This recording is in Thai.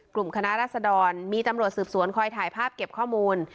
กลุ่มคณะรัศดรมีตำรวจสืบสวนคอยถ่ายภาพเก็บข้อมูล